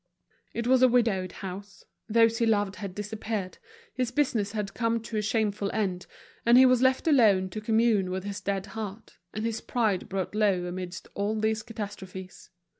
It was a widowed house, those he loved had disappeared, his business had come to a shameful end, and he was left alone to commune with his dead heart, and his pride brought low amidst all these catastrophes.